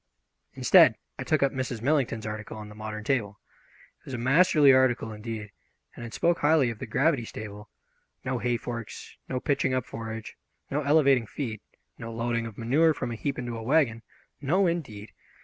Instead, I took up Mrs. Millington's article on the modern stable. It was a masterly article, indeed, and it spoke highly of the gravity stable. No hay forks, no pitching up forage, no elevating feed, no loading of manure from a heap into a wagon. No, indeed!